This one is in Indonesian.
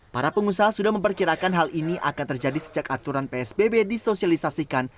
para pengusaha sudah memperkirakan hal ini akan terjadi sejak aturan psbb disosialisasikan